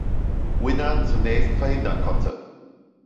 Winner, zunächst verhindern konnte.